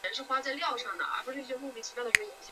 此应用也可用来增加或管理套件库。